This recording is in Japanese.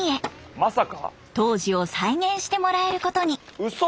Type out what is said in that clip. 当時を再現してもらえることに。